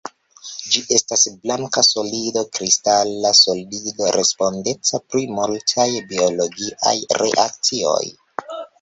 Ĝi estas blanka solido kristala solido respondeca pri multaj biologiaj reakcioj.